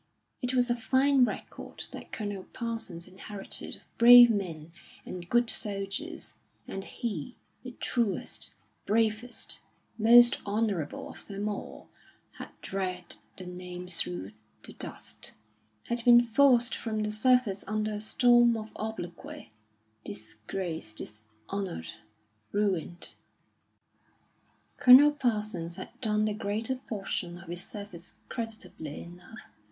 It was a fine record that Colonel Parsons inherited of brave men and good soldiers; and he, the truest, bravest, most honourable of them all, had dragged the name through the dust; had been forced from the service under a storm of obloquy, disgraced, dishonoured, ruined. Colonel Parsons had done the greater portion of his service creditably enough.